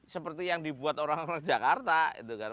seperti yang dibuat orang orang jakarta gitu kan